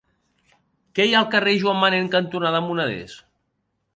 Què hi ha al carrer Joan Manén cantonada Moneders?